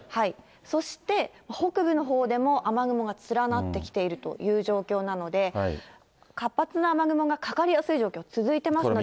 そして、北部のほうでも雨雲が連なってきているという状況なので、活発な雨雲がかかりやすい状況、続いてますので。